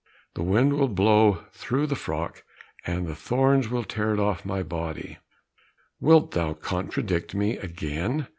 The wind will blow through the frock, and the thorns will tear it off my body." "Wilt thou contradict me again?"